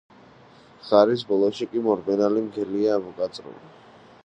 ღარის ბოლოში კი მორბენალი მგელია ამოკაწრული.